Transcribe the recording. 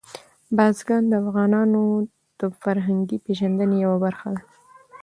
بزګان د افغانانو د فرهنګي پیژندنې یوه برخه ده.